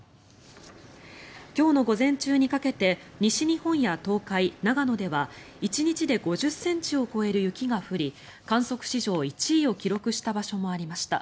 今日の午前中にかけて西日本や東海、長野では１日で５０ｃｍを超える雪が降り観測史上１位を記録した場所もありました。